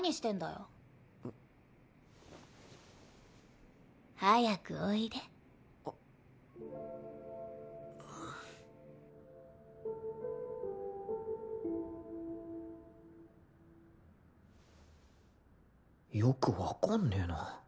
よく分かんねえな